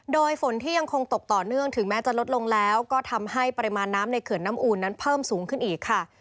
โดยฝนที่ยังคงตกต่อเนื่องถึงแม้จะลดลงแล้วก็ทำให้ปริมาณน้ำในเขื่อนน้ำอูนนั้นเพิ่มสูงขึ้นอีกค่ะ